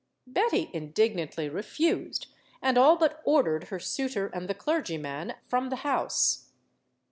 Betty indignantly refused, and all but ordered her suitor and the clergyman from the house.